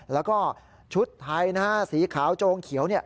แล้วก็ชุดทายหน้าสีขาวโจงเขียว